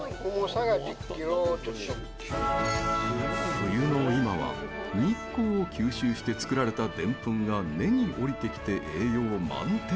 冬の今は、日光を吸収して作られたデンプンが根に降りてきて栄養満点。